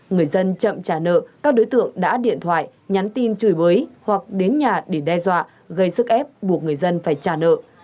người dân chậm trả nợ các đối tượng đã điện thoại nhắn tin chửi bới hoặc đến nhà để đe dọa gây sức ép buộc người dân phải trả nợ